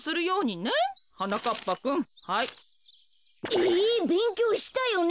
えべんきょうしたよね？